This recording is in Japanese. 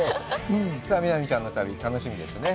さあ、みなみちゃんの旅、楽しみですね。